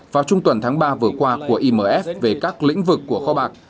vào trung tuần tháng ba vừa qua của imf về các lĩnh vực của kho bạc